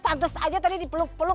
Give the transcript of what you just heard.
santas aja tadi dipeluk peluk